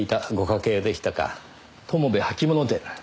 友部履物店。